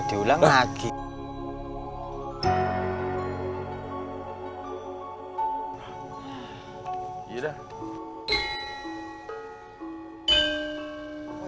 ini perbuatan yang harus kita lakukan